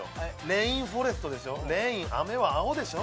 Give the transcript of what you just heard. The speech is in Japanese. レインフォレストでしょレイン雨は青でしょ